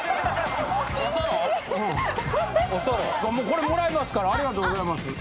これもらいますからありがとうございます。